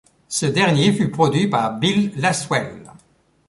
Ce dernier fut produit par Bill Laswell.